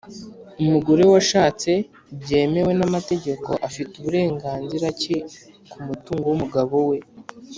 umugore washatse byemewe n’amategeko afite uburenganzira ki ku mutungo w’umugabo we?